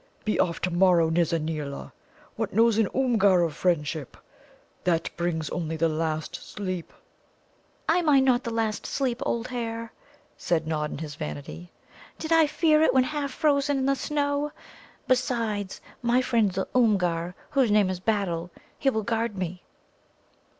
Be off to morrow, Nizza neela! What knows an Oomgar of friendship? That brings only the last sleep." "I mind not the last sleep, old hare," said Nod in his vanity. "Did I fear it when half frozen in the snow? Besides, my friend, the Oomgar, whose name is Battle, he will guard me."